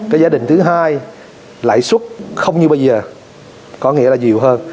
cái giả định thứ hai lãi xuất không như bây giờ có nghĩa là nhiều hơn